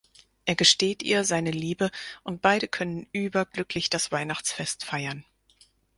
Er gesteht ihr seine Liebe und beide können überglücklich das Weihnachtsfest feiern.